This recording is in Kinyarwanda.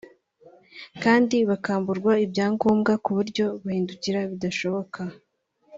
kandi bakamburwa ibyangombwa ku buryo guhindukira bidashoboka